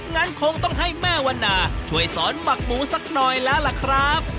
งั้นคงต้องให้แม่วันนาช่วยสอนหมักหมูสักหน่อยแล้วล่ะครับ